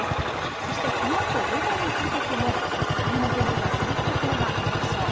そしてこのあと午後にかけても晴れの天気が続く所が多いでしょう。